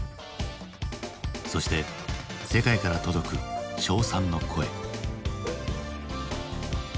そして世界から届く称賛の声。